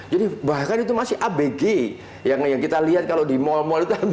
jadi bahkan itu masih abg yang kita lihat kalau di mall mall itu masih gitu ya